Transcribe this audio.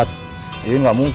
itu dia yang sudah ke rumah